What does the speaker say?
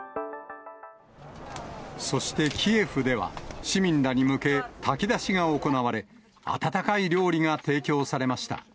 そしてキエフでは、市民らに向け、炊き出しが行われ、温かい料理が提供されました。